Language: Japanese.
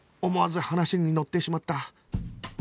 思わず話に乗ってしまった